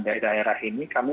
daerah ini kami